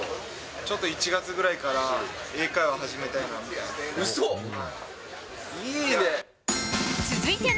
ちょっと１月ぐらいから英会話始めたいなみたいな。